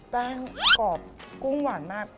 แป้งกรอบกุ้งหวานมาก